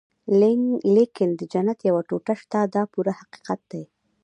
لیکن د جنت یوه ټوټه شته دا پوره حقیقت دی.